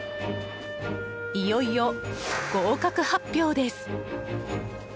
いよいよ合格発表です。